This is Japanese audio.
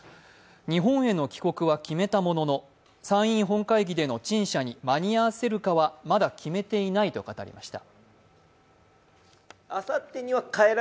日本への帰国は決めたものの参院本会議での陳謝に間に合わせるかは、まだ決めていないと語りました。